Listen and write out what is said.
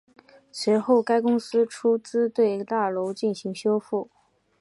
随后该公司出资对大楼进行修复。